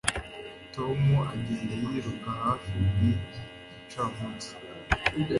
Tom agenda yiruka hafi buri gicamunsi